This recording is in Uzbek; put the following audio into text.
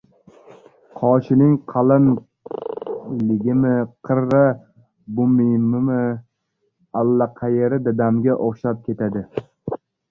Qoshining qalin- ligimi, qirra bumimi - allaqayeri dadamga o‘xshab ketadi.